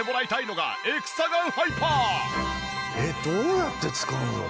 えっどうやって使うの？